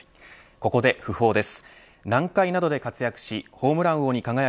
ここで訃報です。